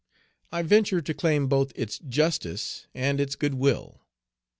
I venture to claim both its justice and its good will.